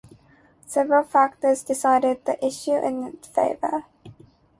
Several factors decided the issue in its favor.